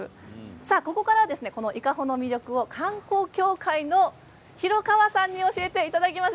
ここから伊香保の魅力を観光協会の廣川さんに教えていただきます。